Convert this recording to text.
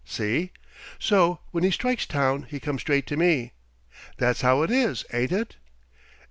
See? So when he strikes town he comes straight to me. That's how it is, ain't it?"